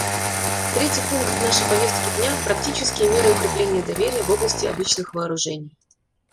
Третий пункт нашей повестки дня — «Практические меры укрепления доверия в области обычных вооружений».